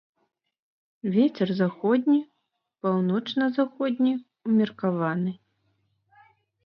Вецер заходні, паўночна-заходні ўмеркаваны.